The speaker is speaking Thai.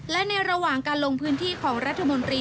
และในระหว่างการลงพื้นที่ของรัฐมนตรี